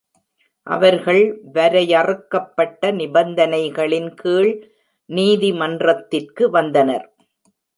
அவர்கள் வரையறுக்கப்பட்ட நிபந்தனைகளின் கீழ் நீதிமன்றத்திற்கு வந்தனர்.